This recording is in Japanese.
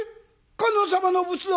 観音様の仏像。